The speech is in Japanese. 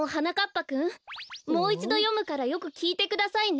ぱくんもういちどよむからよくきいてくださいね。